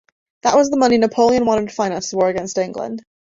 That was the money Napoleon wanted to finance his war against England.